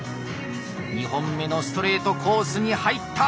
２本目のストレートコースに入った。